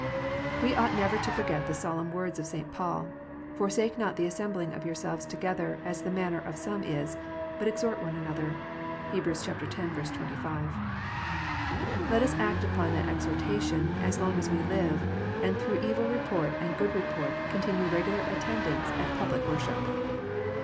We ought never to forget the solemn words of St. Paul :" Forsake not the assembling of yourselves together, as the manner of some is ; but exhort one another." (Heb. x. 25.) Let us act upon that exhortation, as long as we live, and through evil report and good report continue regular attendants at public worship.